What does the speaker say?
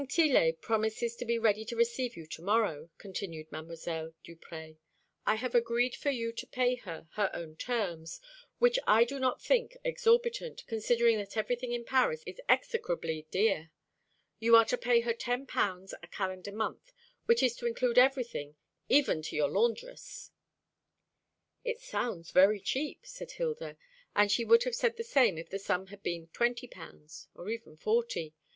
Tillet promises to be ready to receive you to morrow," continued Mdlle. Duprez. "I have agreed for you to pay her her own terms, which I do not think exorbitant, considering that everything in Paris is execrably dear. You are to pay her ten pounds a calendar month, which is to include everything, even to your laundress." "It sounds very cheap," said Hilda, and she would have said the same if the sum had been twenty pounds, or even forty.